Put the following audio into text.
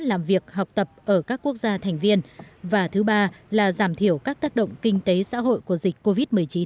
làm việc học tập ở các quốc gia thành viên và thứ ba là giảm thiểu các tác động kinh tế xã hội của dịch covid một mươi chín